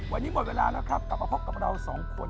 วันนี้หมดเวลาแล้วครับกลับมาพบกับเราสองคน